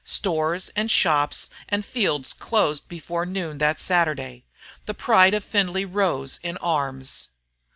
Stores and shops and fields closed before noon that Saturday. The pride of Findlay rose in arms.